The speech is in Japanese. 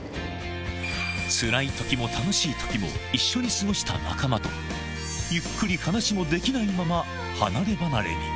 つらいときも楽しいときも、一緒に過ごした仲間と、ゆっくり話もできないまま、離れ離れに。